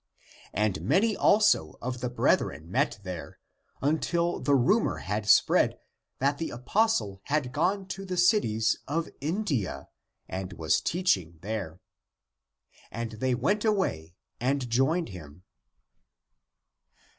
And many also of the brethren met there, until the rumor had spread that the apostle had gone to the cities of India, and was teaching there. And they went away and joined him.